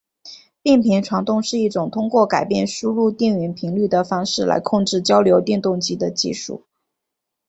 变频传动是一种通过改变输入电源频率的方式来控制交流电动机的技术。